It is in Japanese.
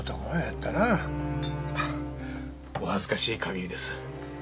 あっお恥ずかしい限りです。